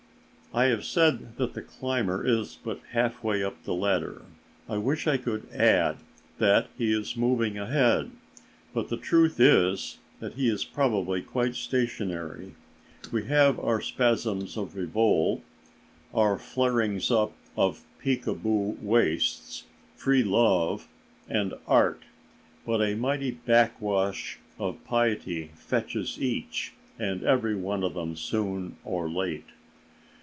I have said that the climber is but half way up the ladder. I wish I could add that he is moving ahead, but the truth is that he is probably quite stationary. We have our spasms of revolt, our flarings up of peekaboo waists, free love and "art," but a mighty backwash of piety fetches each and every one of them soon or late.